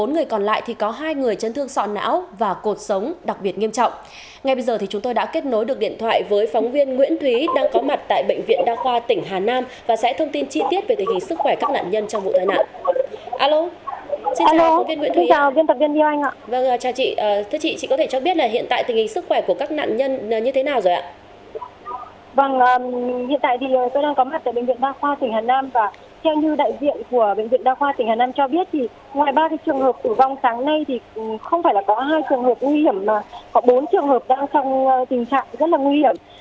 ngoài ba cái trường hợp tử vong sáng nay thì không phải là có hai trường hợp nguy hiểm mà có bốn trường hợp đang trong tình trạng rất là nguy hiểm